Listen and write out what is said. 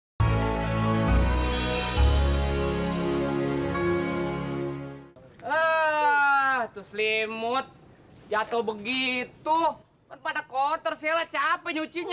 aaaaah terus limut jatuh begitu pada kotor sialah capek nyucinya